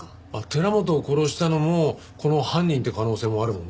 寺本を殺したのもこの犯人って可能性もあるもんね。